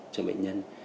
cho bệnh nhân